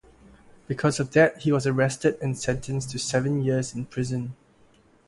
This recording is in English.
Because of that he was arrested and sentenced to seven years in prison.